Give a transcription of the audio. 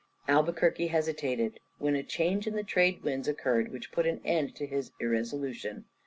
Albuquerque hesitated, when a change in the trade winds occurred which put an end to his irresolution.